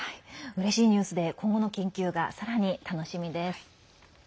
うれしいニュースで今後の研究がさらに楽しみです。